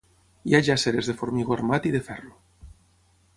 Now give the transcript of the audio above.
Hi ha jàsseres de formigó armat i de ferro.